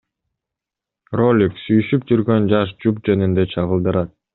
Ролик сүйүшүп жүргөн жаш жуп жөнүндө чагылдырат.